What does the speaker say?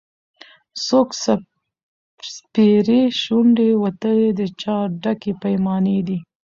څوک سپېرې شونډي وتلي د چا ډکي پیمانې دي